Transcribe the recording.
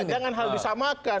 dengan hal disamakan